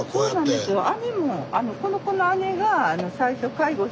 そうなんですよ。